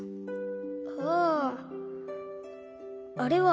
あああれは。